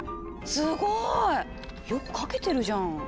すごい！よく書けてるじゃん。